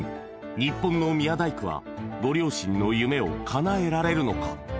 日本の宮大工はご両親の夢をかなえられるのか？